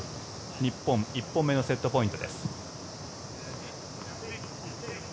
日本１本目のセットポイントです。